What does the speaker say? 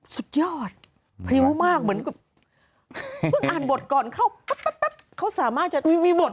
สุดยอดเพราะยาวมากแสดง